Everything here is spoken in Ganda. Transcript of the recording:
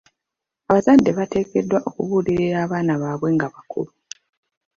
Abazadde bateekeddwa okubuulirira abaana baabwe nga bakula.